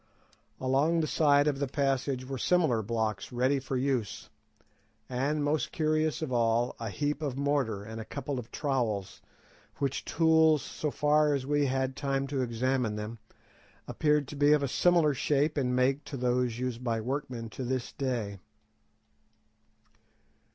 Along the side of the passage were similar blocks ready for use, and, most curious of all, a heap of mortar and a couple of trowels, which tools, so far as we had time to examine them, appeared to be of a similar shape and make to those used by workmen to this day.